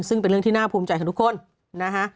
ซึ่งเป็นเรื่องที่น่าภูมิใจของทุกคนนะฮะ